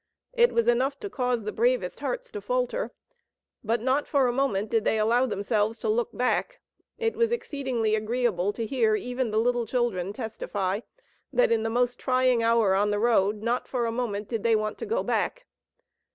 It was enough to cause the bravest hearts to falter. But not for a moment did they allow themselves to look back. It was exceedingly agreeable to hear even the little children testify that in the most trying hour on the road, not for a moment did they want to go back.